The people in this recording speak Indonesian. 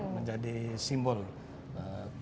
menjadi simbol kebudayaan melayu